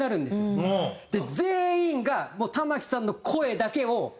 全員が玉置さんの声だけを。